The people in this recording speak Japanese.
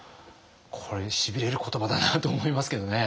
これしびれる言葉だなと思いますけどね。